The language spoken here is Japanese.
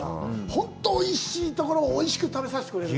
本当においしいところをおいしく食べさせてくれる。